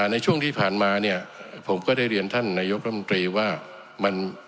ในช่วงที่ผ่านมาเนี่ยผมก็ได้เรียนท่านนายกรมตรีว่ามัน